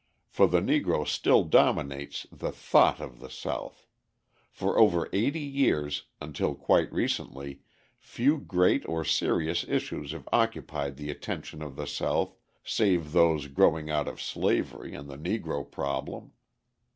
For the Negro still dominates the thought of the South. For over eighty years, until quite recently, few great or serious issues have occupied the attention of the South save those growing out of slavery and the Negro problem.